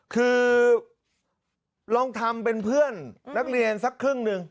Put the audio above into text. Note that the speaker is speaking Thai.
คือลองทำเป็นเพื่อนนักเรียนสักครึ่งหนึ่ง